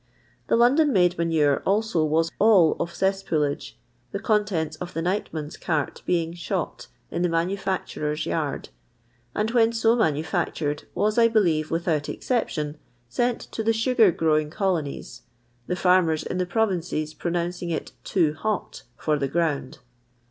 The London made manure also was all of cesspoolage ; the contents of the nightman's cart being "shot" in the manufacturer's yard; and when so manufactured was, I believe, with out exL i ption, ^cnt to the sugar growing colonics, the fiirmcrs in the provinces pronouncing it " too hot" for the ground.